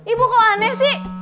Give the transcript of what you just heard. ibu kok aneh sih